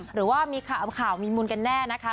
หรือว่ามีข่าวมีมุนกันแน่นะคะ